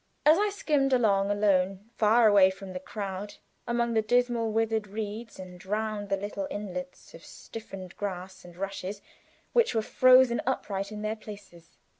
as I skimmed, all alone, far away from the crowd, among the dismal withered reeds, and round the little islets of stiffened grass and rushes which were frozen upright in their places.